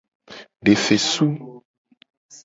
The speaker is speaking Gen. De fesu.